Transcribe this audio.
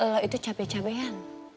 lo itu capek capekan